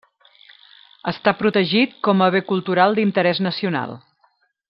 Està protegit com a Bé Cultural d'Interès Nacional.